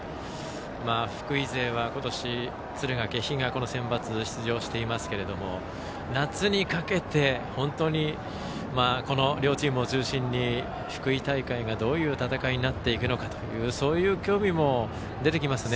福井勢は今年敦賀気比がセンバツに出場していますが夏にかけてこの両チームを中心に福井大会がどういう戦いになっていくのかも興味が出てきますね。